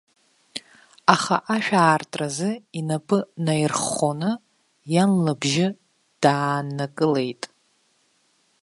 Аха, ашә аартразы инапы наирххоны, иан лыбжьы дааннакылеит.